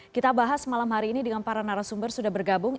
kita bahas malam hari ini dengan para narasumber sudah bergabung